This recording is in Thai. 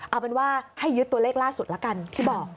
เอาเป็นว่าให้ยึดตัวเลขล่าสุดละกันที่บอก